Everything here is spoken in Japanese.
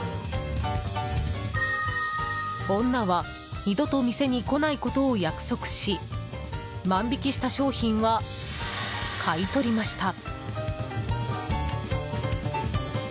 女は二度と店に来ないことを約束し万引きした商品は買い取りました。